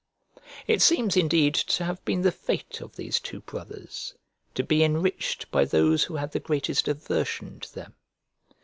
It seems indeed to have been the fate of these two brothers to be enriched by those who had the greatest aversion to them.